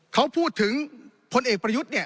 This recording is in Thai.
เขาพูดถึงพลเอกประยุทธ์เนี่ย